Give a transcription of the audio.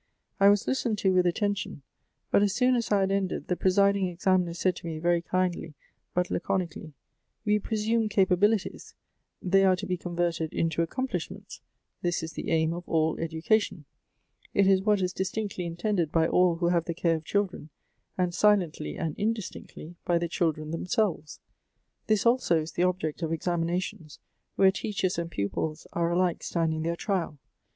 I was listened to with attention, but as soon as I had ended, the presiding examiner said to me very kindly but laconically, 'We presume capabili ' ties : they are to be converted into accomplishments. This is the aim of all education. It is what is distinctly, intended by all who have the care of children, and silent ly and indistinctly by the children themselves. This also is the object of examinations, where teachers and pupils are alike standing their trial.